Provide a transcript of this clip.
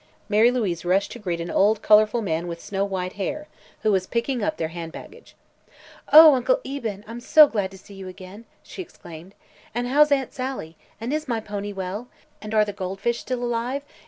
Mary Louise rushed to greet an old colorful man with snow white hair, who was picking up their hand baggage. "Oh, Uncle Eben, I'm so glad to see again!" she exclaimed. "And how's Aunt Sallie? And is my pony well? And are the goldfish still alive?